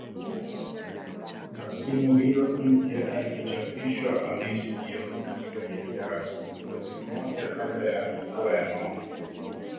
Rasimu hiyo mpya ilichapishwa Alhamis jioni katika jarida rasmi, mwezi mmoja kabla ya kura ya maoni